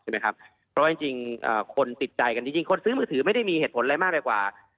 เพราะคนติดใจกันคนซื้อมือถือไม่มีเหตุผลอะไรมากไปกว่า